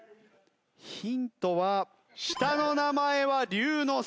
ヒントは下の名前は龍之介。